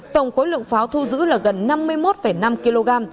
tổng khối lượng pháo thu giữ là gần năm mươi một năm kg